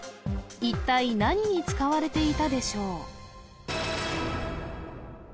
一体何に使われていたでしょう